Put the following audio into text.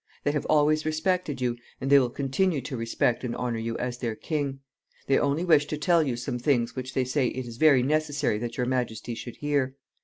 They have always respected you, and they will continue to respect and honor you as their king. They only wish to tell you some things which they say it is very necessary that your majesty should hear.